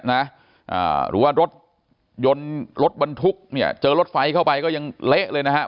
หรือว่ารถยนต์รถบรรทุกเจอรถไฟเข้าไปก็ยังเละเลยนะครับ